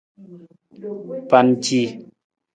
Panci.